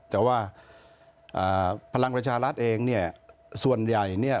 แต่ว่าพลังประชารัฐเองเนี่ยส่วนใหญ่เนี่ย